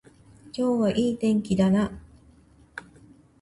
今日はいい天気だな